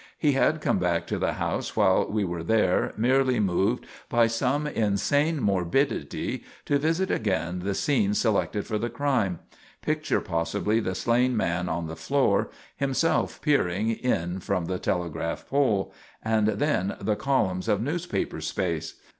He had come back to the house while we were there merely moved by some insane morbidity to visit again the scene selected for the crime; picture possibly the slain man on the floor, himself peering in from the telegraph pole; and then the columns of newspaper space.